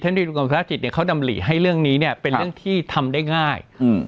ดีกรมภาระจิตเนี่ยเขาดำหลีให้เรื่องนี้เนี่ยเป็นเรื่องที่ทำได้ง่าย